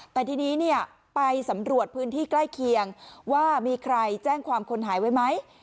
แต่ทีนี้ไปสำรวจพื้นที่ใกล้เคียงว่ามีใครแจ้งความคนหายไว้ไหม